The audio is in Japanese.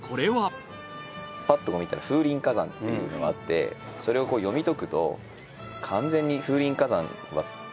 パッとこう見たら「風林火山」っていうのがあってそれを読み解くと完全に。